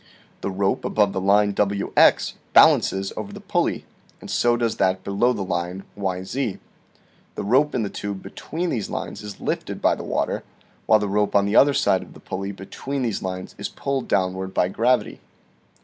The rope above the line WX balances over the pulley, and so does that below the line YZ . The rope in Fig. 14. the tube between these lines is lifted by the water, while the rope on the other side of the pulley between these lines is pulled downward by gravity.